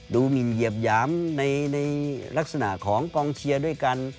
หมินเหยียบหยามในลักษณะของกองเชียร์ด้วยกัน